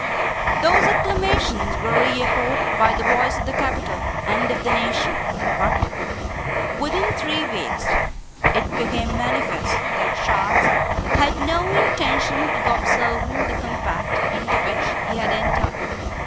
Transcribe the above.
Those acclamations were reechoed by the voice of the capital and of the nation; but within three weeks it became manifest that Charles had no intention of observing the compact into which he had entered.